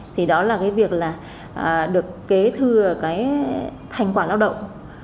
thì đó là cái việc là được kế thừa cái thành quản lao động